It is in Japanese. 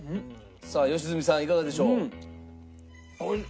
さあ良純さんいかがでしょう？